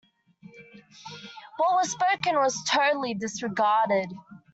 What was spoken was totally disregarded.